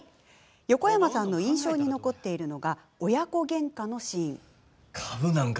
横山さんの印象に残っているのが親子げんかのシーン。